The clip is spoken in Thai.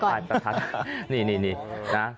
ตอบได้ประทัดนี่นะ